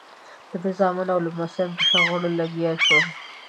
د ده زامن او لمسیان په شخړو لګیا شول.